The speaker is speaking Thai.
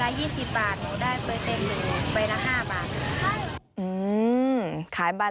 แล้วก็ได้เบอร์เซ็นจากการขายภาพ